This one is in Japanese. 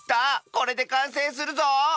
これでかんせいするぞ！